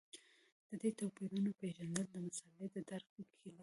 د دې توپیرونو پېژندل د مسألې د درک کیلي ده.